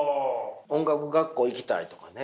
音楽学校行きたいとかね。